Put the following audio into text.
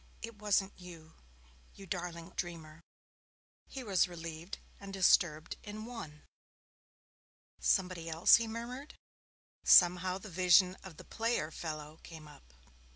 'It wasn't you, you darling old dreamer.' He was relieved and disturbed in one. 'Somebody else?' he murmured. Somehow the vision of the player fellow came up.